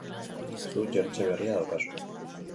Zuk jertse berria daukazu.